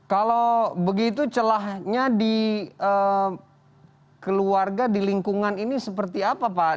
kalau begitu celahnya di keluarga di lingkungan ini seperti apa pak